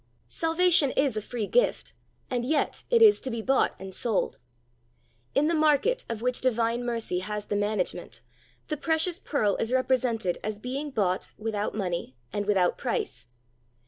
Salvation is a free gift, and yet it is to be bought and sold. In the market of which divine mercy has the man agement, the precious pearl is represented as being bought without money and without price.